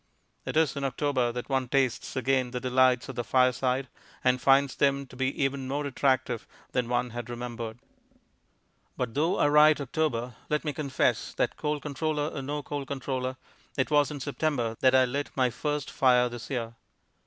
It is in October that one tastes again the delights of the fireside, and finds them to be even more attractive than one had remembered. But though I write "October," let me confess that, Coal Controller or no Coal Controller, it was in September that I lit my first fire this year.